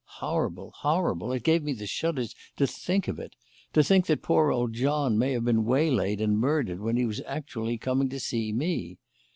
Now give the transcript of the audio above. Horrible! horrible! It gave me the shudders to think of it to think that poor old John may have been waylaid and murdered when he was actually coming to see me.